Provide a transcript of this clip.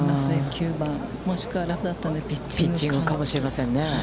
９番、もしくはラフだったのでピッチングかもしれません。